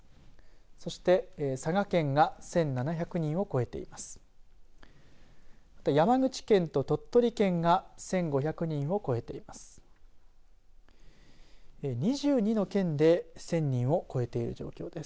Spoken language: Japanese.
そして、佐賀県が１７００人を超えています。